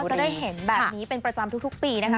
ก็ได้เห็นแบบนี้เป็นประจำทุกปีนะคะ